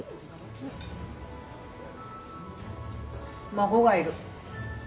孫がいる。